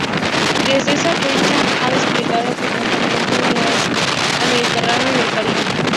Desde esa fecha, ha desplegado frecuentemente unidades al Mediterráneo y al Caribe.